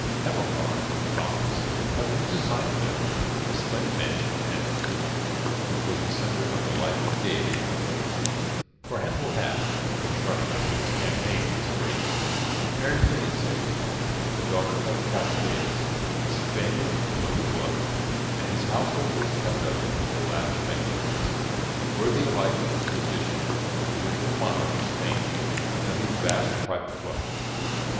Hamilcar and Malchus had rooms assigned to them in the splendid mansion of Hannibal, which was the centre of the life and gaiety of the place, for Hannibal had, before starting on his campaign in the spring, married Imilce, the daughter of Castalius, a Spaniard of noble blood, and his household was kept up with a lavish magnificence, worthy alike of his position as virtual monarch of Spain and of his vast private wealth.